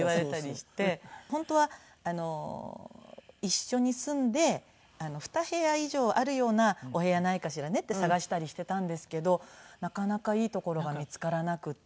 本当は一緒に住んで２部屋以上あるようなお部屋ないかしらねって探したりしていたんですけどなかなかいい所が見つからなくって。